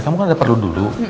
kamu kan udah perlu dulu